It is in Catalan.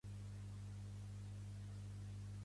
El meu nom és Ian: i, a, ena.